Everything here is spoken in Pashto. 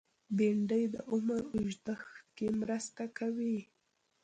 بېنډۍ د عمر اوږدښت کې مرسته کوي